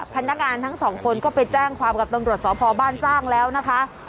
พนักงานทั้งสองคนก็ไปแจ้งความกับตำรวจสพบ้านสร้างแล้วนะคะ